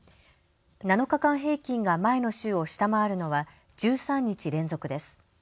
７日間平均が前の週を下回るのは１３日連続です。